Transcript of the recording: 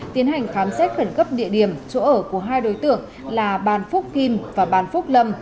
tiến hành khám xét khẩn cấp địa điểm chỗ ở của hai đối tượng là bàn phúc kim và bàn phúc lâm